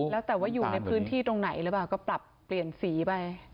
แล้วแต่ว่าอยู่ในพื้นที่ตรงไหนหรือเปล่าก็ปรับเปลี่ยนสีไป